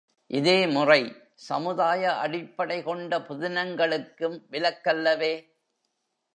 இதே முறை, சமுதாய அடிப்படை கொண்ட புதினங்களுக்கும் விலக்கல்லவே!